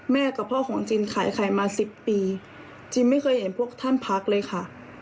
กับพ่อของจินขายไข่มา๑๐ปีจินไม่เคยเห็นพวกท่านพักเลยค่ะ